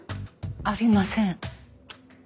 ありません。